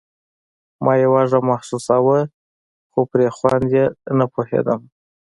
ما يې وږم محسوساوه خو پر خوند يې نه پوهېدم.